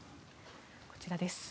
こちらです。